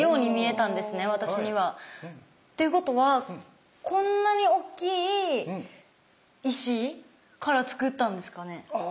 私には。っていうことはこんなに大きい石からつくったんですかね？